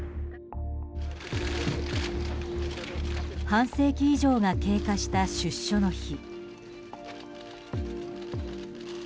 半世紀以上が経過した出所の日。